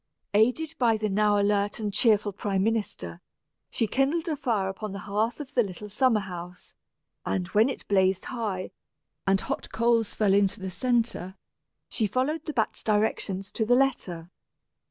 Aided by the now alert and cheerful prime minister, she kindled a fire upon the hearth of the little summer house; and when it blazed high, and hot coals fell into the centre, she followed the bat's directions to the letter.